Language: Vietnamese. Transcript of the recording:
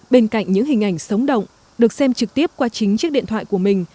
bên cạnh những hình ảnh sống động được xem trực tiếp qua chính chiếc điện thoại của mình